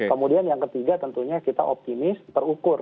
kemudian yang ketiga tentunya kita optimis terukur